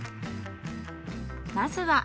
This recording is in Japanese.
まずは。